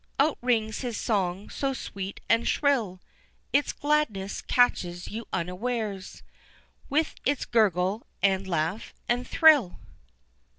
_" Out rings his song so sweet and shrill, Its gladness catches you unawares, With its gurgle, and laugh, and thrill.